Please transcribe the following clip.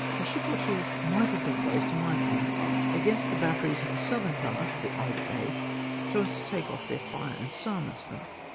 A ship or two might have been placed, in my opinion, against the batteries on the southern part of Isle d'Aix so as to take off their fire, and silence them.